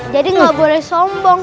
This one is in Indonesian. jadi gak boleh sombong